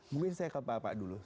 mungkin saya ke pak bapak dulu